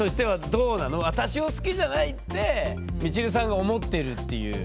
「私を好きじゃない」ってみちるさんが思ってるっていう。